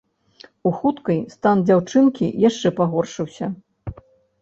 У хуткай стан дзяўчынкі яшчэ пагоршыўся.